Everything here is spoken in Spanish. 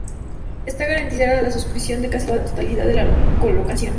Este garantiza la suscripción de casi la totalidad de la colocación.